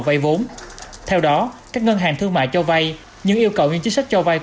vây vốn theo đó các ngân hàng thương mại cho vây những yêu cầu như chính sách cho vây của